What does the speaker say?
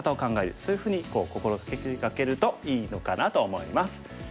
そういうふうに心掛けるといいのかなと思います。